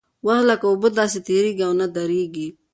وخت لکه اوبه داسې تېرېږي او نه درېږي.